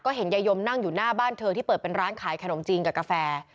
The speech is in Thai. เห็นยายมนั่งอยู่หน้าบ้านเธอที่เปิดเป็นร้านขายขนมจีนกับกาแฟ